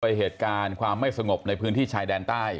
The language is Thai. เหตุการณ์ความไม่สงบในพื้นที่ชายแดนใต้